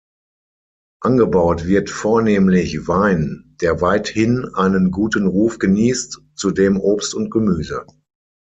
Angebaut wird vornehmlich Wein, der weithin einen guten Ruf genießt, zudem Obst und Gemüse.